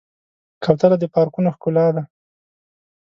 کوتره د پارکونو ښکلا ده.